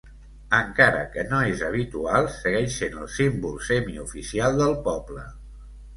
Encara que no és habitual, segueix sent el símbol semi-oficial del poble.